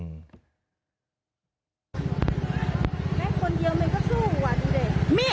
เนี้ย